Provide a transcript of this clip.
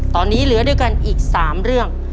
ตอนนี้เหลือด้วยกันอีก๓เรื่อง